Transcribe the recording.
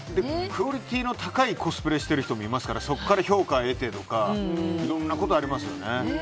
クオリティーの高いコスプレをしている人もいますからそこから評価を得てとかいろんなことがありますね。